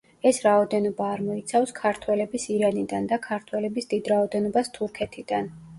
ეს რაოდენობა არ მოიცავს, ქართველების ირანიდან და ქართველების დიდ რაოდენობას თურქეთიდან.